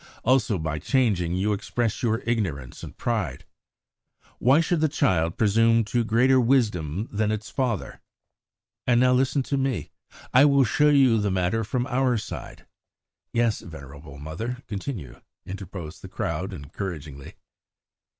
Also by changing you express your ignorance and pride. Why should the child presume to greater wisdom than its father? And now listen to me! I will show you the matter from our side!" ("Yes, venerable mother, continue!" interposed the crowd encouragingly.)